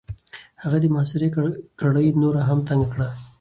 هغه د محاصرې کړۍ نوره هم تنګ کړه.